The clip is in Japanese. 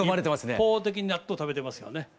一方的に納豆食べてますよね。